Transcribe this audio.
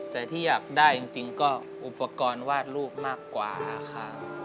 แต่ที่อยากได้จริงก็อุปกรณ์วาดรูปมากกว่าค่ะ